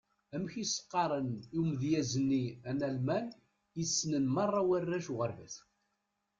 Amek i s-qqaren i umedyaz-nni analman i ssnen merra warrac uɣerbaz?